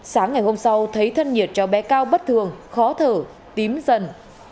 sáng ngày hôm sau thấy thân nhiệt cho bé cao bất thường khó thở tím dần